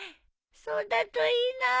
そうだといいなあ。